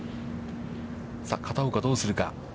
片岡、どうするか。